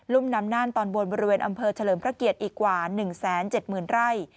ุ่มน้ำน่านตอนบนบริเวณอำเภอเฉลิมพระเกียรติอีกกว่า๑๗๐๐ไร่